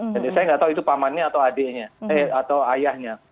jadi saya nggak tahu itu pamannya atau adiknya eh atau ayahnya